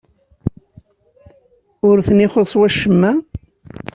Ur ten-ixuṣṣ wacemma?